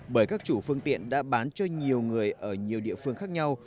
bởi các chủ phương tiện đã bán cho nhiều người ở nhiều địa phương khác nhau